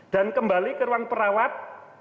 dan kembali ke ruang perawat